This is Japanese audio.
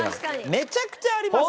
めちゃくちゃあります！